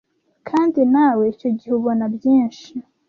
kandi nawe icyo gihe ubona byinshi,